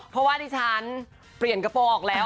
เพราะว่าดิฉันเปลี่ยนกระโปรงออกแล้ว